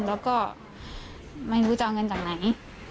แล้วก็ไม่รู้จะเอาเงินจากไหน